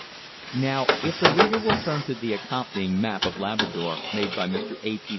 Now if the reader will turn to the accompanying map of Labrador made by Mr. A. P.